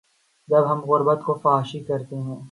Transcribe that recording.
جب ہم غربت کو فحاشی کہتے ہیں۔